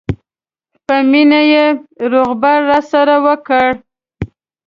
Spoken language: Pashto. په مینه یې روغبړ راسره وکړ.